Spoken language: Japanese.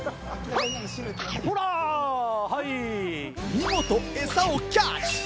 見事、餌をキャッチ！